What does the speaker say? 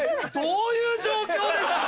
どういう状況ですか？